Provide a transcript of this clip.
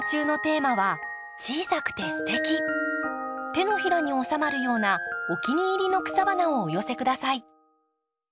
手のひらにおさまるようなお気に入りの草花をお寄せ下さい。